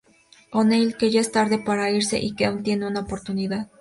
O'Neill en que ya es tarde para irse, y que aun tienen una oportunidad.